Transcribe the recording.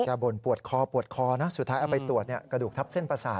บ่นปวดคอปวดคอนะสุดท้ายเอาไปตรวจกระดูกทับเส้นประสาท